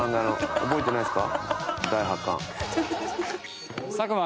覚えてないですか？